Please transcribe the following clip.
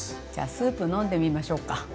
じゃスープ飲んでみましょうか？